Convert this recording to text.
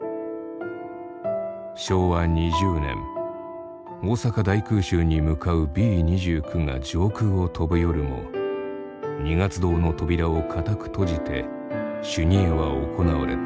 昭和２０年大阪大空襲に向かうＢ２９が上空を飛ぶ夜も二月堂の扉を固く閉じて修二会は行われた。